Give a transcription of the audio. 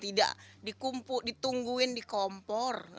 tidak dikumpul ditungguin di kompor